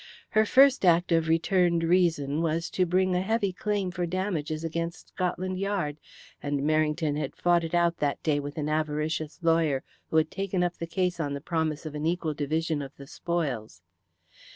Her first act of returned reason was to bring a heavy claim for damages against Scotland Yard, and Merrington had fought it out that day with an avaricious lawyer who had taken up the case on the promise of an equal division of the spoils.